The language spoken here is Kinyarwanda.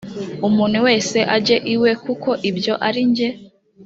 umuntu wese ajye iwe kuko ibyo ari jye